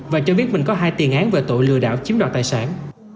và cho biết mình có hai tiền án về tội lừa đảo chiếm đoạt tài sản